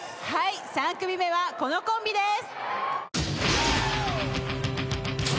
３組目はこのコンビです。